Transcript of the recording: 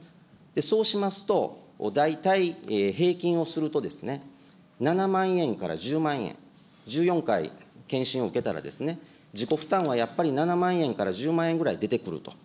そうしますと、大体平均をするとですね、７万円から１０万円、１４回健診を受けたらですね、自己負担はやっぱり７万円から１０万円ぐらい出てくると。